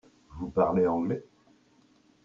Vous parlez anglais ?